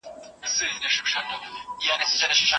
ویرجینیا که په پسرلي کي